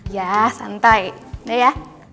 ya santai udah ya